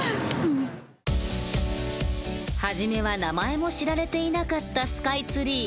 初めは名前も知られていなかったスカイツリー。